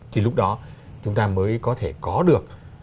thì lúc đó chúng ta mới có thể có được